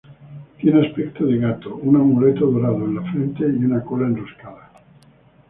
Tiene aspecto de gato, un amuleto dorado en la frente y una cola enroscada.